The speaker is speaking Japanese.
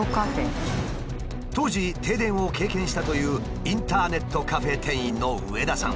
当時停電を経験したというインターネットカフェ店員の上田さん。